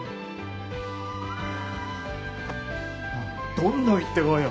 どんどん言ってこうよ